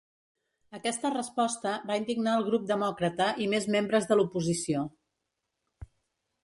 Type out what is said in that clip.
Aquesta resposta va indignar el grup demòcrata i més membres de l’oposició.